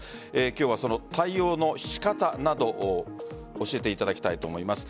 今日は、その対応の仕方などを教えていただきたいと思います。